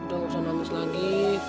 udah nggak usah nangis lagi